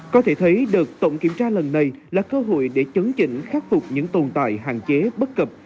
có thể thấy đợt tổng kiểm tra lần này là cơ hội để chấn chỉnh khắc phục những tồn tại hạn chế bất cập